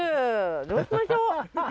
どうしましょ。